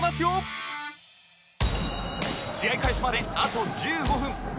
試合開始まであと１５分